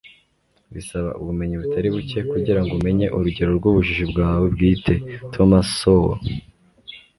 bisaba ubumenyi butari buke kugira ngo umenye urugero rw'ubujiji bwawe bwite. - thomas sowell